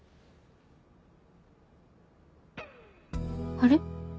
あれ？